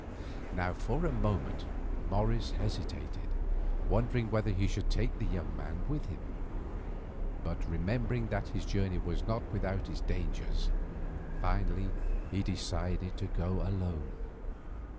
Now for a moment Morris hesitated, wondering whether he should take the young man with him; but remembering that this journey was not without its dangers, finally he decided to go alone.